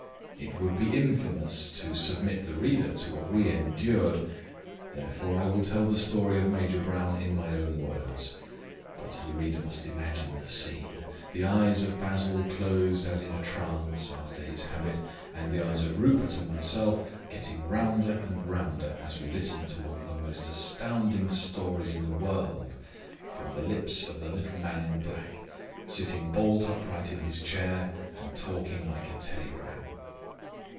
It would be infamous to submit the reader to what we endured; therefore I will tell the story of Major Brown in my own words. But the reader must imagine the scene. The eyes of Basil closed as in a trance, after his habit, and the eyes of Rupert and myself getting rounder and rounder as we listened to one of the most astounding stories in the world, from the lips of the little man in black, sitting bolt upright in his chair and talking like a telegram.